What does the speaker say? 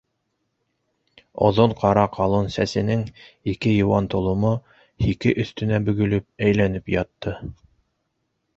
Оҙон ҡара ҡалын сәсенең ике йыуан толомо һике өҫтөнә бөгөлөп әйләнеп ятты.